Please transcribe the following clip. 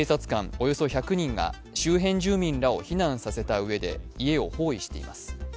およそ１００人が、周辺住民らを避難させたうえで家を包囲しています。